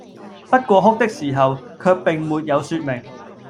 不過哭的時候，卻並沒有説明，